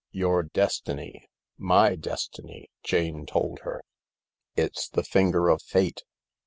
" Your destiny, my destiny," Jane told her. " It's the finger of Fate.